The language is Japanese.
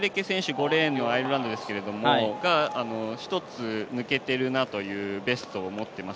５レーンのアイルランドですけれども、一つ抜けているなというようなベストを持っています。